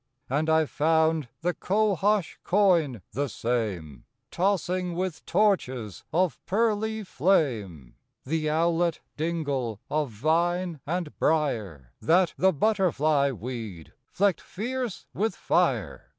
And I found the cohosh coigne the same, Tossing with torches of pearly flame. The owlet dingle of vine and brier, That the butterfly weed flecked fierce with fire.